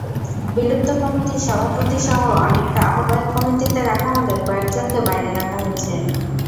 বিলুপ্ত কমিটির সভাপতিসহ অনেককে আহ্বায়ক কমিটিতে রাখা হলেও কয়েকজনকে বাইরে রাখা হয়েছে।